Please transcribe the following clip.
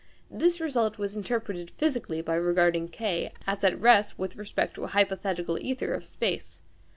This result was interpreted physically by regarding K as at rest with respect to a hypothetical ćther of space.